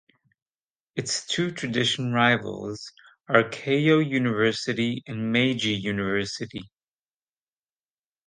Its two traditional rivals are Keio University and Meiji University.